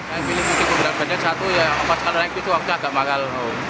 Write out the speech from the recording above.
saya pilih mudik ke bandar bajai satu ya pas kalau naik itu agak mahal